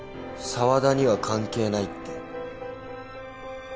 沢田には関係ないって。